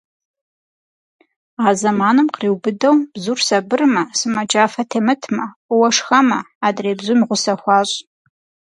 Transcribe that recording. А зэманым къриубыдэу бзур сабырмэ, сымаджафэ темытмэ, фӏыуэ шхэмэ, адрей бзум гъусэ хуащӏ.